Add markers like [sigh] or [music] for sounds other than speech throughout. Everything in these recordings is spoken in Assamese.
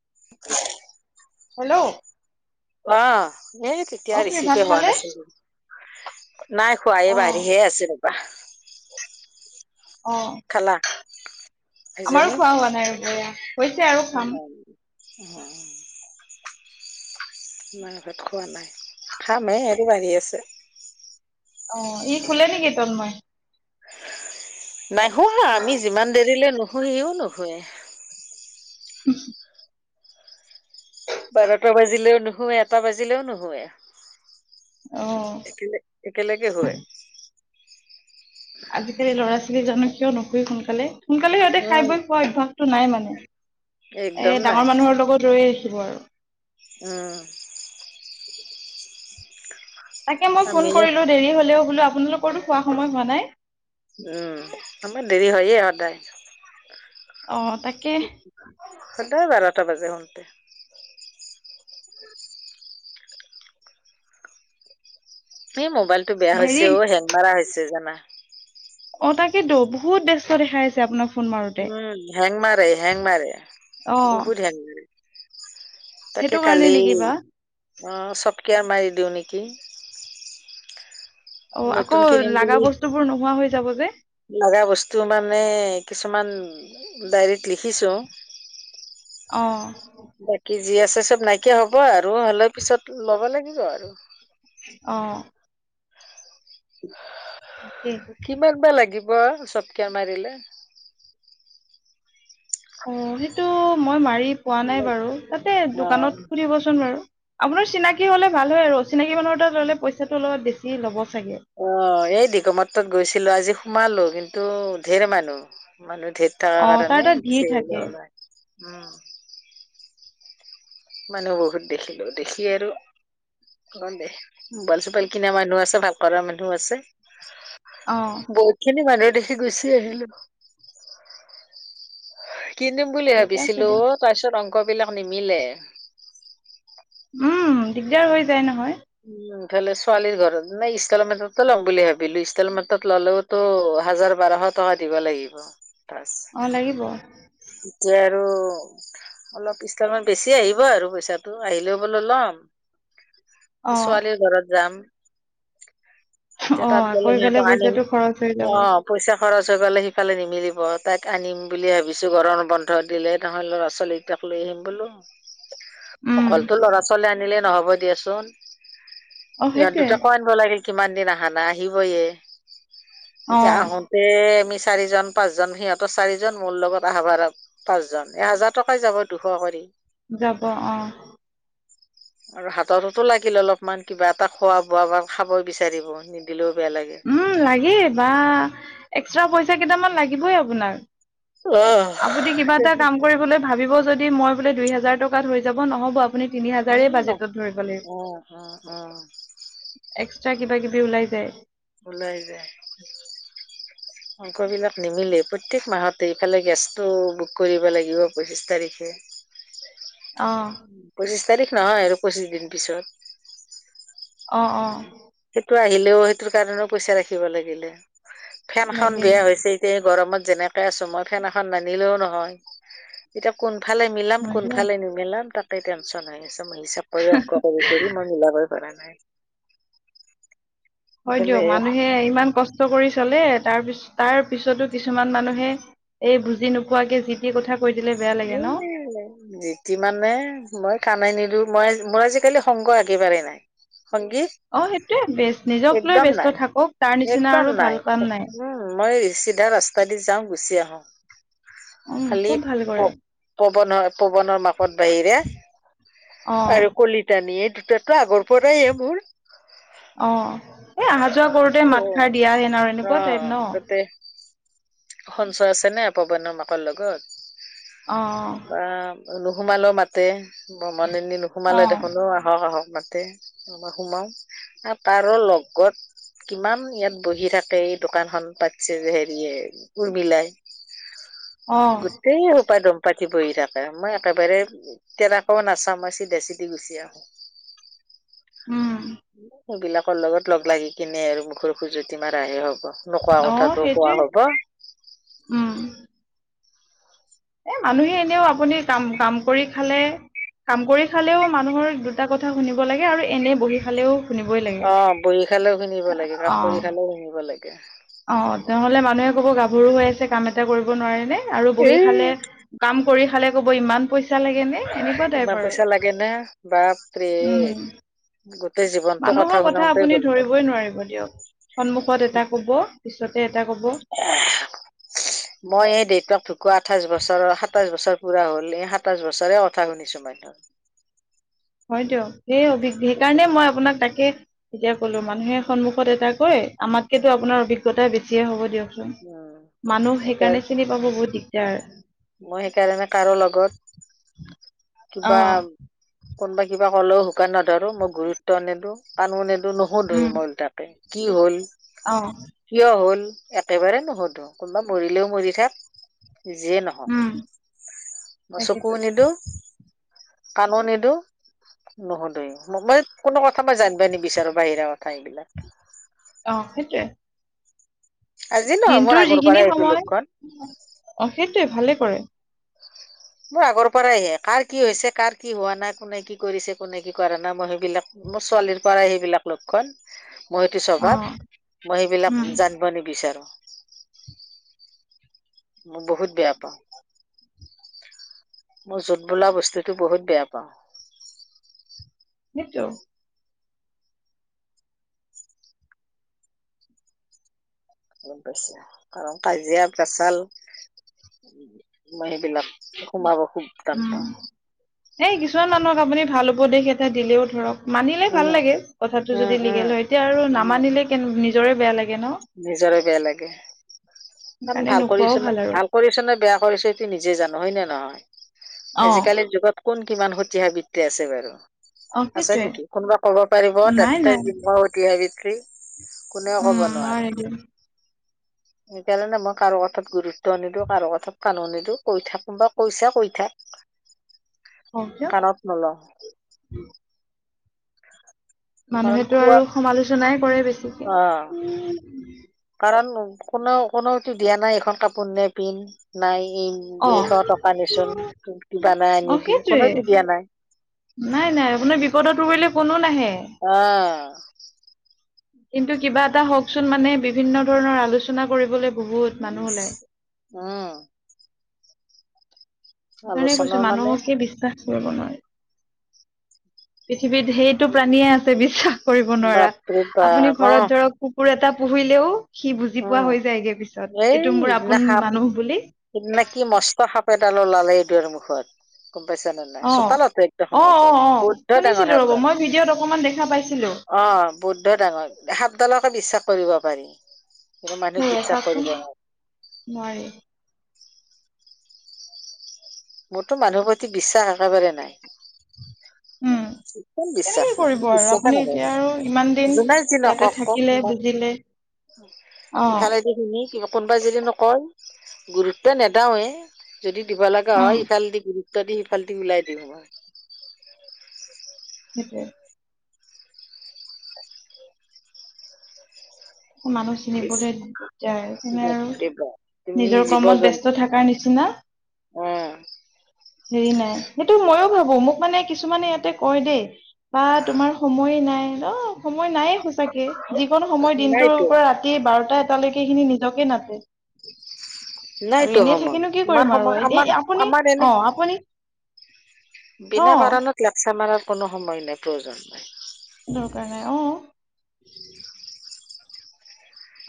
[inaudible] হেল্ল'! অঁ এই তেতিয়া খুৰী ভাত ৰিচিপে হোৱা খালে? নাছিল। নাই খোৱা অ এই বাঢ়িহে আছে ৰবা। অঁ। খালা? আমাৰো এজনী খোৱা হোৱা নাই ৰবা এয়া হৈছে আৰু খাম। উম আমাৰ ঘৰত খোৱা নাই। খামহে ইয়াটো বাঢ়ি আছে। অঁ, ই শুলে নেকি তন্ময়ে? নাই শুৱা, আমি যিমান দেৰিলে নুশু সিও নুশুয়ে। নি [unintelligible] বাৰটা বাজিলেও নুশুৱে, এটা বাজিলেও নুশুৱে। অ একেলগ একেলগে হয়। আজিকালি ল'ৰা ছোৱালী জানো কিয় নুশুয়ে সোনকালে? সোনকালে সিহঁতে খাই উম বৈ খোৱা অভ্যাসটো নাই মানে। এ একদম ডাঙৰ মানুহৰ লগত ৰৈ [unintelligible] উ। তাকে মই ফোন আমি উম কৰিলো দেৰি হলেও বোলো আপোনালোকৰ তো শুৱা সময় হোৱা নাই। উম, আমাৰ দেৰি হয়য়ে সদায়। অ, তাকে। সদায় বাৰটা বাজে শুতে। এই মোবাইলটো বেয়া হৈছে হেৰি অ, হেং মাৰা হৈছে জানা। অ, তাকেতো বহুত ব্যস্ত দেখাই আহিছে আপোনাক। ফোন মাৰোতে উম হেং মাৰে, হেং মাৰে, অ বহুত হেং মাৰে। তাকে সেইটো কাৰণে কালি নেকি বা অ, চফ্টৱেৰ মাৰি দিওঁ নেকি? অ, আকৌ নতুন কিনিম লাগা বুলি বস্তু বোৰ নোহোৱা হৈ যাব যে। লগা বস্তু মানে, কিছুমান ডায়ৰিত লিখিছো। অঁ। কি জি আছে চব নাইকিয়া হ'ব আৰু হ'লেও পিছত ল'ব লাগিব আৰু। অ। [unintelligible] কিমান বা লাগিব চফ্টৱেৰ মাৰিলে? অ সেইটো মই মাৰি পোৱা নাই বাৰু তাতে অ দোকানত সুধিবচোন বাৰু। আপোনাৰ চিনাকি হ'লে ভাল হয় আৰু চিনাকি মানুহৰ তাত ল'লে, পইচাটো অলপ বেছি ল'ব চাগে? অ এই দিকমত্ৰত গৈছিলো আজি সোমালো কিন্তু ধেৰ মানুহ মানুহ অ', তাৰ তাত ভিৰ থাকে ধেৰ। [inaudible] মানে বহুত দেখিলো দেখি আৰু। [unintelligible] মোবাইল-চোবাইল কিনা মানুহ আছে, ভালকৰা মানুহ আছে। অ। বহুত খিনি মানুহ দেখি গুচি আহিলো। কিনিম বুলি ঠিকে আছে ভাবিছিলো দিয়ক। অ, তাৰ পিছত অংক বিলাক নিমিলে। উম দিগদাৰ হৈ যায় নহয়। উম ইফালে ছোৱালীৰ ঘৰত নে ইনষ্টলমেন্টো ল'ম বুলি ভাবিলো, ইনষ্টলমেন্টত ল'লেওতো হাজাৰ বাৰশ। টকা দিব লাগিব [unintelligible] অঁ লাগিব। যে আৰু। অলপ ইনষ্টলমেণ্ট বেছি আহিব আৰু পইচাটো, আহিলেও বোলো ল'ম। অ', ছোৱালীৰ ঘৰত যাম। এতিয়া তাত আকৌ গ'লে ইফালে সিহতক আনিম। পইচাটো খৰচ হৈ যাব পইচা খৰচ হৈ গ'লে সিফালে নিমিলিব তাইক আনিম বুলি ভাবি। কিছু গৰম বন্ধ দিলে ল'ৰা ছোৱালীকটাক লৈ আহিম বোলো উম। অলতো ল'ৰা ছ। আনিলে নহব দিয়াচোন অ', ইহঁত সেইটোৱে দুটা [unintelligible] কিমান দিন আহা নাই, আহিবয়ে এতিয়া অ', আহোন। এ আমি চাৰিজন পাঁচজন সিহঁতৰ চাৰিজন মোৰ লগত। বা বাৰ পাঁচজন, এহেজাৰ টকাই যাব দুশ কৰি। যাব অঁ। আৰু হাতততো লাগিল অলপমান কিবা এটা খোৱা বোৱা বা খাব বিচাৰিব নিদিলেও বেয়া লাগে। উম লাগেই বা এক্সট্ৰা পইচা কেইটামান লাগিবই আপোনাক। অ', আপুনি কিবা এটা কাম কৰিবলৈ ভাবিব যদি মই বোলে দুই হাজাৰ টকাত হৈ যাব নহ'ব, - উম ন, উম উম উম। এক্সট্ৰা কিবা কিবি ওলাই যায়। ওলাই যায়। অংকবিলাক নিমিলে প্ৰত্যেক মাহতে, ইফালে গেছটো বুক কৰিব লাগিব পঁচিশ তাৰিখে। অঁ। পঁচিছ তাৰিখ নহয় আৰু পঁচিছ দিন পিছত। অ অ সেইটো আহিলেও, সেইটোৰ কাৰণেও পইচা ৰাখিব লাগিলে। ফেনখন লাগিল বেয়া হৈছে। এতিয়া গৰমত যেনেকে আছো মই ফেন এখন নানিলেওঁ নহয়। এতিয়া কোনফালে মিলাম হয় দিয়ক কোনফালে নিমিলাম তাতে টেনশন হৈ আছে। মই হিচাপ- কৰি, অংক কৰি কৰি মই মিলাবই পৰা নাই। হয় এইফালে দিয়ক, মানুহে ইমান কষ্ট কৰি চলে তাৰপিছ তাৰ পিছতো কিছুমান মানুহে- এই বুজি নোপোৱাকে যি তি কথা- কৈ দিলে বেয়া- লাগে ন এই- ইমানে মই কানাই নিলো, মই মই আজিকালি সংগ একেবাৰে বাৰেই নাই সংগী। অঁ সেইটোৱে বেষ্ট। নিজক লৈ একদম ব্যস্ত নাই থাকক, তাৰ নিচিনা একদম আৰু নাই। ভাল কাম নাই। উম, মই চিধা ৰাস্তা দি যাওঁ, গুচি আহো। উম খুব খালি- ভাল প কৰে পৱনৰ পৱনৰ মাকত বাহিৰে অ আৰু কলিত- নি এই দুটাতো আগৰ পৰাই মোৰ। অঁ এই অহা যোৱা কৰোতে অ মাত খাৰ দিয়াহে ন আৰু এনেকুৱা টাইপ ন। তাতে সঞ্চয় আছেনে পৱনৰ মাকৰ লগত? অঁ। বা নোসোমালেওঁ মাতে, ব্ৰমণিনী নোসোমালে অ', দেখোনোওঁ আহক আহক মাতে। তাৰপা সোমাওঁ আৰু লগত- কিমান ইয়াত বহি থাকে, এই দোকানখন পাটিছে হেৰিয়ে! উৰ্মিলাই, অ', গোটেই সোপা দম পাতি বহি থাকে। মই একেবাৰে- তেতিয়া আকৌ নাচাওঁ, মই চিধা চিধি গুচি আহোঁ। [unintelligible] উম, এইবিলাকৰ লগত লগ লাগি কিনে আৰু মুখৰ খুজুৱতি মাৰাহে হ'ব। নোকোৱা অঁ কথাটো কোৱা সেইটোৱে হব উম। এ মানুহে এনেওঁ আপুনি কাম কাম কৰি খালে, কাম কৰি খালেওঁ মানুহৰ দুটা কথা- কথা শুনিব লাগে আৰু এনে বহি খালেও শুনিবই লাগে অ বহি খালেও শুনিব লাগে কাম কৰি অঁ। খালেও [unintelligible] অঁ নহ'লে মানুহে কব গাভৰু হৈ আছে কাম এটা কৰিব নোৱাৰে নে আৰু এ বহি খালে- কাম কৰি খালে ক'ব, ইমান পইচা লাগেনে? ইমান পইচা লাগে নে বাপৰে! উম, গোটেই জীৱন- মানুহৰ কথা আপুনি ধৰিবই নোৱাৰিব দিয়ক সন্মুখত এটা কব পিছতে এটা কব। [unintelligible] [inaudible] মই এই দেউতাক ঢকুৱা আঠাইছ বছৰৰ, সাতাইছ বছৰ পুৰা হ'ল এই। সাতাইছ বছৰে কথা শুনিছো মানুহ- [inaudible] হয় দিয়ক সেই অভি সেইকাৰণে মই আপোনাক তাকে তেতিয়া কলো মানুহে সন্মুখত এটা কয় আমাতকেতো আপোনাৰ অভিজ্ঞতা বেছিয়ে হ'ব দিয়ক উম মানুহ এতিয়া সেইকাৰণে চিনি পাব বহুত দিগদাৰ মই সেইকাৰণে কাৰো লগত অ কিবা কোনোবা কিবা কলেও হুকাৰ নধৰো মই গুৰুত্ব নিদো কাণো নিদো নুহু বহুত উম ধৰিমল তাকে কি হ'ল অ কিয় হ'ল একেবাৰে নুশুধো কোনোবা মৰিলেও মৰি থাক যিয়ে নহ উম তাকেইতো কানো নিদো নুহুদেই মই কোনো কথা মই জানিব নিবিচাৰো বাহিৰা কথা এইবিলাক অ সেইটোৱে আজি নহয় মোৰ দিনটোৰ আগৰ যিখিনি পৰাই এইটো সময় লক্ষণ অ সেইটোৱে ভালে কৰে মোৰ আগৰ পৰাই হে কাৰ কি হৈছে কাৰ কি হোৱা নাই কোনে কি কৰিছে কোনে কি কৰা নাই মই সেইবিলাক মোৰ ছোৱালীৰ পৰাই সেইবিলাক লক্ষণ মই সেইটো অ স্বভাৱ মই সেইবিলাক উম জানিব নিবিচাৰো মই বহুত বেয়া পাওঁ মই য'ত বোলা বস্তুটো বহুত বেয়া পাওঁ সেইটো গম পাইছা কাৰণ কাজিয়া পেচাল মই সেইবিলাক সোমাব খুব টান পাওঁ এই কিছুমান মানুহক আপুনি ভাল উপদেশ এটা দিলেও ধৰক মানিলে ভাল উম লাগে কথাটো উম যদি উম লিগেল হয় এতিয়া আৰু উম নামানিলে কে নিজৰে বেয়া লাগে ন নিজৰে বেয়া লাগে কাৰণ সেইকাৰণে ভাল নোকোৱাও কৰিছো ন আৰু ভাল কৰিছনে বেয়া কৰিছনে সেইটো নিজে জানো হয় নে নহয় অ', আজিকালি যুগত কোন কিমান সতি সাবিত্ৰী আছে বাৰু অ', আছে সেইটোৱে নেকি কোনোবা ক'ব পাৰিব নাই নাই তাতকে কোনেও কব নোৱাৰে [inaudible] সেইকাৰণে মই কাৰো কথাত গুৰুত্ব নিদিওঁ কাৰো কথাত কানো নিদিওঁ কৈ থাক কোন বা কৈছা কৈ থাক [inaudible] দিয়ক কাণত নল‌ও কাৰণ মানুহেটো খোৱা আৰু সমালোচনাই কৰে বেছিকে অ কাৰণ কোনেও কোনওতো দিয়া নাই এইখন কাপোৰ নি পিন্ধ নাই ই অ', এইশ টকা নিচোন কিবা নাই অ', আনিবি সেইটোৱে কোনেওতো দিয়া নাই নাই নাই আপোনাৰ বিপদত পৰিলে কোনো নাহে অ কিন্তু কিবা এটা হওকচোন মানে বিভিন্ন ধৰণৰ আলোচনা কৰিবলৈ বহুত মানুহ ওলাই উম সেইকাৰণে আলোচনা কৈছো মানে মানুহকে বিশ্বাস কৰিব নোৱাৰে পৃথিৱীত সেইটো প্ৰাণীয়ে আছে বিশ্বাস কৰিব নোৱাৰা বাপৰে আপুনি বাপ অ ঘৰত ধৰক কুকুৰ এটা পুহিলেও সি বুজি পোৱা উম হৈ যায়গে পিছত এইটো মোৰ আপোন মানুহ বুলি সেইদিনা কি মস্ত সাপ এডাল ওলালে এই দুৱাৰ মুখত গম পাইছা নাই অ চোতালতে একদম অ অ সন্মুখত অ বৌদ্ধ শুনিছিলো ডাঙৰ ৰ'ব সাপডাল মই ভিডিঅ'ত অকমান দেখা পাইছিলো অ বৌদ্ধ ডাঙৰ সাপডালকে বিশ্বাস কৰিব পাৰি কিন্তু মানুহক সেয়া বিশ্বাস চাওকচোন কৰিব নোৱাৰি মোৰতো মানুহৰ প্ৰতি বিশ্বাস একেবাৰে নাই উম কোন তেনেকে বিশ্বাস নাই কৰিব মোক আৰু বিশ্বাসে আপুনি এতিয়া নকৰে আৰু ইমান দিন যোনে যি ইয়াতে নকওক কওক থাকিলে মই বুজিলে অ ইফালেদি শিনি কিবা কোনোবাই যদি নকয় গুৰুত্ব নেদাওয়ে যদি দিব লগা উম হয় ইফালেদি গুৰুত্ব দি সিফালেদি ওলাই দিও মই সেইটোৱে মানুহ বেছি চিনিবলৈ দিগদাৰ সেনে আৰু বাপৰে বাপ তুমি নিজৰ জীৱ কৰ্মত জন্তু ব্যস্ত থকাৰ নিচিনা অ হেৰি নাই সেইটো মইয়ো ভাবো মোক মানে কিছুমানে ইয়াতে কয় দেই বা তোমাৰ সময় নাই ন সময় নায়েই সু তাকে যিকন সময় দিনটোৰ নাইতো পৰা ৰাতি বাৰটা এটালৈকে এইখিনি নিজকে নাতে আৰু নাইতো এনেই সময় থাকিনো কি কৰিম আমাৰ আৰু সময় এ আমাৰ আপুনি আমাৰে অ আপুনি অ বিনা কাৰণত ক্লাপছা মাৰাৰ কোনো সময় নাই প্ৰয়োজন নাই দৰকাৰ নাই অ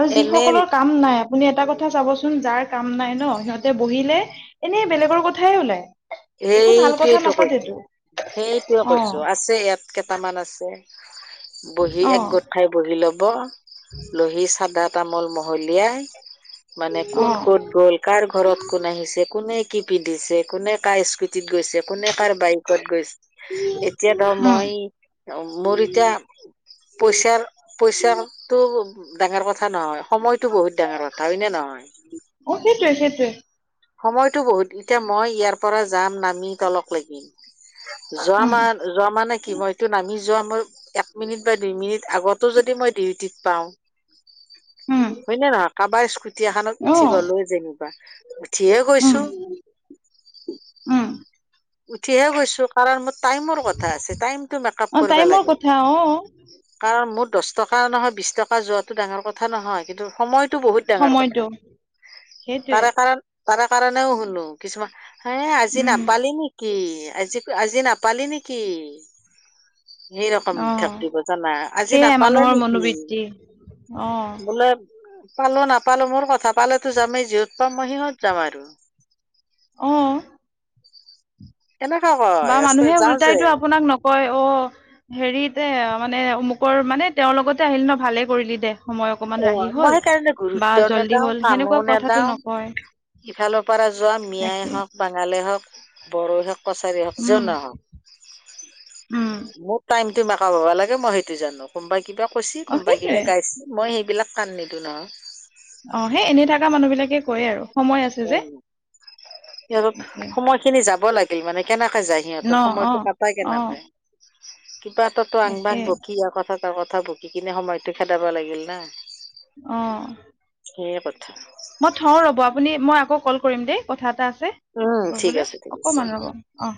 আৰু যি এনে সকলৰ কাম নাই আপুনি এটা কথা চাব চোন যাৰ কাম নাই ন সিহঁতে বহিলে এনেই বেলেগৰ কথাই ওলায় সেইটোৱেটো কৈছো সেইটোৱে অ কৈছো আছে ইয়াত কেইটামান আছে বহি একগোট খাই বহি লব উম মলি চাদা এটা মল মহলিয়াই মানে অ কোন কত গল কাৰ ঘৰত কোন আহিছে কোনে কি পিন্ধিছে কোনে কাৰ স্কুটিত গৈছে কোনে কাৰ বাইকত গৈছে এতিয়া ধৰ উম মই মোৰ এতিয়া পইছাৰ পইছাটো ডাঙৰ কথা নহয় সময়তো বহুত ডাঙৰ কথা হয় নে নহয় অ সেইটোৱে সেইটোৱে সময়তো বহুত এতিয়া মই ইয়াৰ পৰা যাম নামি তলক লাগিম যোৱা উম মাহত যোৱা মানে কি মই এইটো নামি যোৱা মই এক মিনিট বা দুই মিনিট আগতো যদি মই ডিউটিত পাও উম হয় নে নহয় কাৰোবাৰ স্কুটি এখনত অ উঠি গলোৱে জানিবা উঠিয়ে উম গৈছো উম উঠিহে গৈছো কাৰণ মোৰ টাইমৰ কথা আছে টাইমটো মেকআপ অ কৰিব টাইমৰ লাগে কথা অ কাৰণ মোৰ দহ টকা নহয় বিশ টকা যোৱাতো ডাঙৰ কথা নহয় কিন্তু সময়তো বহুত ডাঙৰ সময়টো কথা সেইটোৱে তাৰে কাৰণ তাৰে কাৰণেও শুনো কিছুমান হে আজি উম নাপালি নেকি কি আজি আজি নাপালি নেকি সেই ৰকম অ থাক দিব জানা আজি সেয়াই নাপালে মানুহৰ নেকি মনোবৃত্তি অ বোলে পালো নাপালো মোৰ কথা পালেতো যামেই যিহত পাম মই সিহঁত যাম আৰু অ এনেকোৱা আক বা মানুহে উল্টাইতো আপোনাক ন কয় অ হেৰি দে মানে অমুকৰ মানে তেওঁৰ লগতে আহিলি ন ভালে কৰিলি দে সময় অকমান অ ৰাহি মই হল সেইকাৰণে বা গুৰুত্ব জল্দি নেদাও হ'ল কামো সেনেকুৱা নেদাও কথাটো নকয়। ইফালৰ পৰা যোৱা মিয়াই তাকে হওক, বাঙালেই হওক, বড়ো হওক কছাৰী হওক যোন উম নহওক উম মোৰ টাইম টাইমটো মেকাপ হব লাগে মই সেইটো জানো কোনোবাই কিবা কৈছে অ কোনোবাই সেইটোৱে কিবা গাইছে মই সেইবিলাক কাণ নিদো নহয়। অ সেই এনেই থকা মানুহ বিলাকে কয় আৰু। সময় আছে অ যে সিহঁতৰ তাকে সময় খিনি যাব লাগিল মানে কেনেকে যায় ন সিহঁতৰ অ সময়তো কাটাই অ কেনেকে কিবা এটাতো আং তাকে বাং বকি যাবই যা‌ তা কথা বকি কিনে সময়তো খেদাব লাগিল না অ সেয়ে কথা। মই থওঁ ৰব আপুনি মই আকৌ কল কৰিম দেই কথা এটা আছে। উম ঠিক কবলে আছে ঠিক আছে অকমান ৰ'ব অ।